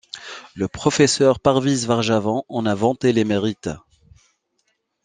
Le professeur Parviz Varjavand en a vanté les mérites.